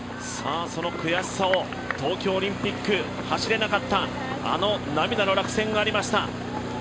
その悔しさを東京オリンピック、走れなかったあの涙の落選がありました。